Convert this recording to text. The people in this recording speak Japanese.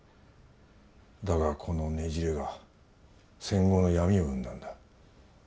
だがこのねじれが戦後の闇を生んだんだ。